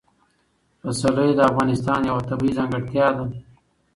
پسرلی د افغانستان یوه طبیعي ځانګړتیا ده.